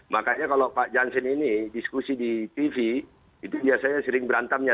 makanya kalau pak jansen ini diskusi di tv itu biasanya sering berantemnya